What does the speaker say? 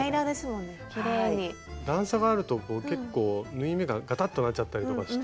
段差があると結構縫い目がガタッとなっちゃったりとかして。